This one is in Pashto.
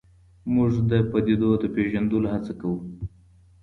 موږ د پدیدو د پېژندلو هڅه کوو.